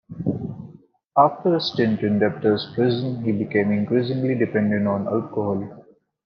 After a stint in a debtors' prison he became increasingly dependent on alcohol.